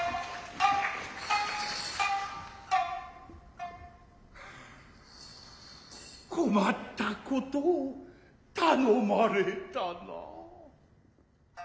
アア困ったことを頼まれたなぁ。